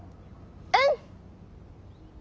うん！